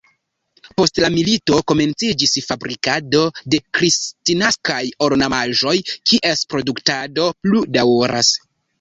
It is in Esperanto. Post la milito komenciĝis fabrikado de kristnaskaj ornamaĵoj, kies produktado plu daŭras.